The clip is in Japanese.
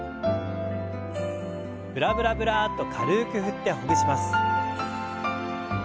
ブラブラブラッと軽く振ってほぐします。